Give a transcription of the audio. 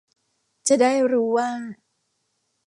จะได้รู้ว่า